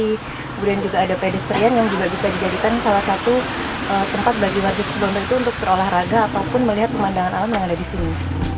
kemudian juga ada pedestrian yang juga bisa dijadikan salah satu tempat bagi warga situbondo itu untuk berolahraga ataupun melihat pemandangan alam yang ada di sini